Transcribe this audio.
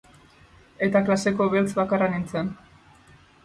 Eta klaseko beltz bakarra nintzen.